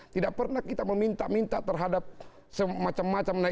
tidak pernah kita meminta minta terhadap semacam macam